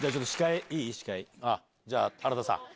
じゃあ原田さん。